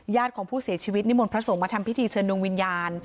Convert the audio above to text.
ของผู้เสียชีวิตนิมนต์พระสงฆ์มาทำพิธีเชิญดวงวิญญาณ